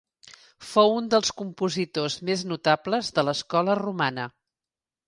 Fou un dels compositors més notables de l'escola romana.